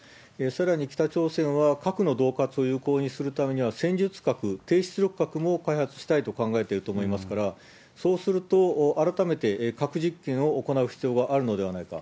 さらに北朝鮮は、核のどう喝を有効にするために戦術核、低出力核も開発したいと考えてると思いますから、そうすると改めて核実験を行う必要があるのではないか。